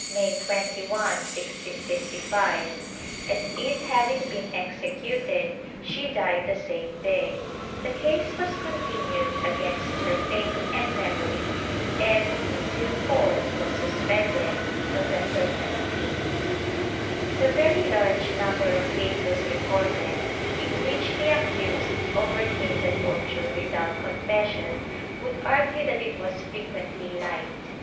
May 21, 1655, and it having been executed she died the same day ; the case was continued against her fame and memory and, in due course, was suspended, November 19th.^ The very large number of cases recorded in which the accused overcame the torture without confession would argue that it was frequently light.